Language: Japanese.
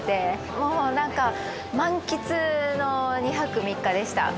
もうなんか満喫の２泊３日でした。